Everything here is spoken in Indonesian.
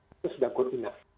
itu sudah good enough